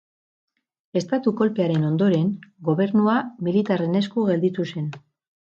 Estatu kolpearen ondoren, gobernua militarren esku gelditu zen.